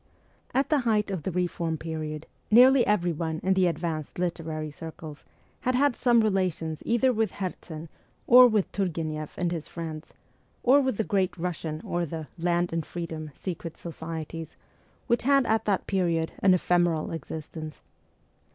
At the height of the reform period nearly everyone in the advanced literary circles had had some relations either with Herzen or with Turgueneff and his friends, or with the ' Great Kussian ' or the ' Land and Freedom ' secret societies, which had at that period an ephemeral existence.